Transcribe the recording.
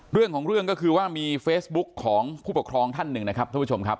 เรื่องของเรื่องก็คือว่ามีเฟซบุ๊กของผู้ปกครองท่านหนึ่งนะครับท่านผู้ชมครับ